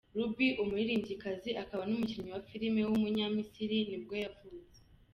Ruby, umuririmbyikazi akaba n’umukinnyikazi wa film w’umunyamisiri nibwo yavutse.